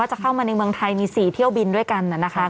จะเข้ามาในเมืองไทยมี๔เที่ยวบินด้วยกันนะคะ